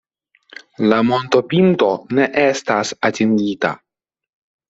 La montopinto ne estas atingita.